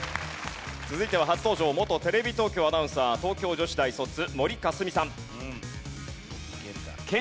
続いては初登場元テレビ東京アナウンサー東京女子大卒森香澄さん。